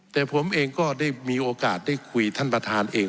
แต่ผมเองก็ได้มีโอกาสได้คุยท่านประธานเอง